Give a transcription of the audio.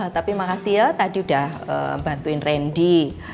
tapi makasih ya tadi udah bantuin randy